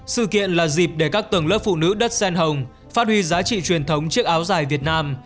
sự kiện là dịp để các tầng lớp phụ nữ đất sen hồng phát huy giá trị truyền thống chiếc áo dài việt nam